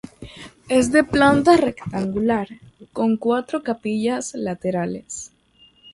Es de planta rectangular, con cuatro capillas laterales.